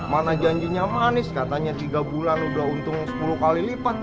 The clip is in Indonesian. mana janjinya manis katanya tiga bulan udah untung sepuluh kali lipat